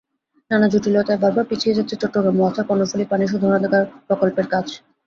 নানা জটিলতায় বারবার পিছিয়ে যাচ্ছে চট্টগ্রাম ওয়াসার কর্ণফুলী পানি শোধনাগার প্রকল্পের কাজ।